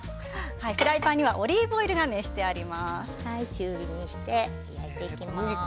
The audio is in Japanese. フライパンにはオリーブオイルが中火にして焼いていきます。